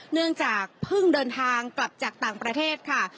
เนื่องจากเพิ่งเดินทางกลับจากต่างประเทศค่ะ